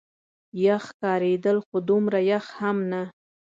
یخ ښکارېدل، خو دومره یخ هم نه.